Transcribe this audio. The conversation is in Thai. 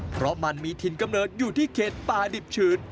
เพราะมันมีถิ่นกำเนิดอยู่ที่เขตป่าดิบชื้น